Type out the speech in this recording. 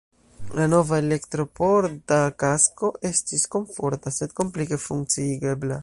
La nova elektrodporta kasko estis komforta, sed komplike funkciigebla.